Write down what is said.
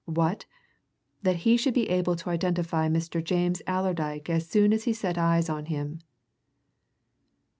What? That he should be able to identify Mr. James Allerdyke as soon as he set eyes on him!"